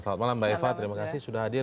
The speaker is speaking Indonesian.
selamat malam mbak eva terima kasih sudah hadir